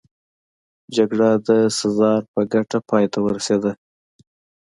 جګړه د سزار په ګټه پای ته ورسېده.